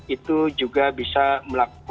itu juga bisa melakukan